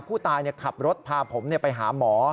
ผู้ตายขับรถพาผมไปหาหมอ